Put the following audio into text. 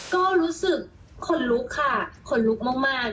ก็รู้สึกขนลุกค่ะขนลุกมาก